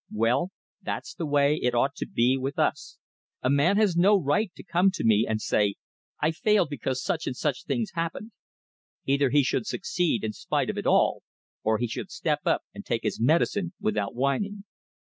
Well, that's the way it ought to be with us. A man has no right to come to me and say, 'I failed because such and such things happened.' Either he should succeed in spite of it all; or he should step up and take his medicine without whining.